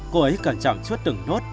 cô ấy cần chọn chút từng nốt